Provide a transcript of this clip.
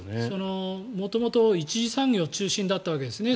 元々、一次産業中心だったわけですね。